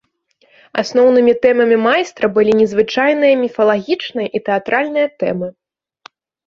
Асноўнымі тэмамі майстра былі незвычайныя міфалагічныя і тэатральныя тэмы.